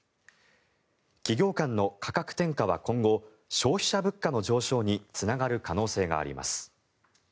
企業間の価格転嫁は今後消費者物価の上昇につながる可能性があります。